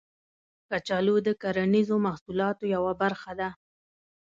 کچالو د کرنیزو محصولاتو یوه برخه ده